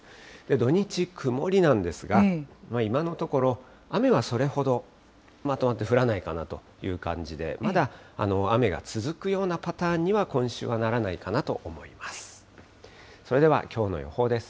土日、曇りなんですが、今のところ雨はそれほどまとまって降らないかなという感じで、まだ雨が続くようなパターンには、今週はならないかなと思います。